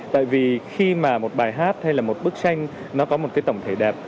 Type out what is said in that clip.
tại vì khi mà một bài hát hay là một bức tranh nó có một cái tổng thể đẹp